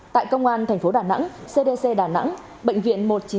tại công an thành phố đà nẵng cdc đà nẵng bệnh viện một trăm chín mươi